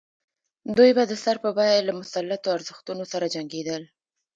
دوی به د سر په بیه له مسلطو ارزښتونو سره جنګېدل.